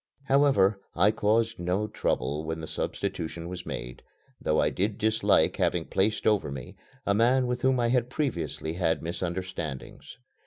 However, I caused no trouble when the substitution was made, though I did dislike having placed over me a man with whom I had previously had misunderstandings.